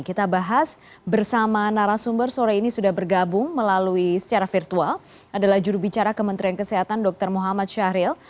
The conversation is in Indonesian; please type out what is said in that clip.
kita bahas bersama narasumber sore ini sudah bergabung melalui secara virtual adalah jurubicara kementerian kesehatan dr muhammad syahril